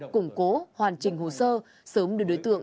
củng cố hoàn chỉnh hồ sơ